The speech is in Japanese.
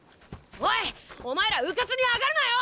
おいお前らうかつに上がるなよ！